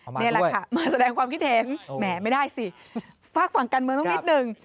นี่แหละค่ะมาแสดงความคิดเห็นแหมไม่ได้สิฝากฝั่งการเมืองต้องนิดหนึ่ง